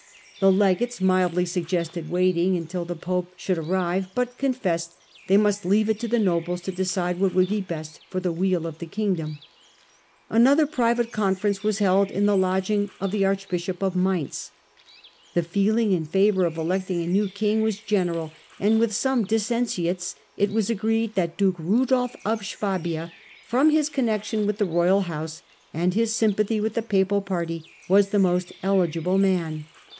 The legates mildly sug gested waiting until the pope should arrive, but con fessed they must leave it to the nobles to decide what would be best for the weal of the kingdom. Another private conference was held in the lodging of the arch bishop of Mainz. The feeling in favour of electing a new king was general, and with some few dissentients it was agreed that duke Budolf of Swabia, from his connexion with the royal house, and his sympaHty with the papal party, was the most eligible man.